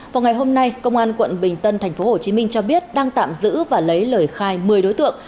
vào ngày hôm nay công an quận bình tân tp hcm cho biết đang tạm giữ và lấy lời khai một mươi đối tượng